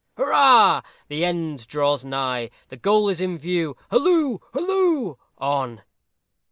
Hurrah! the end draws nigh; the goal is in view. Halloo! halloo! on!